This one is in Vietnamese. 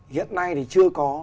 hiện nay thì chưa có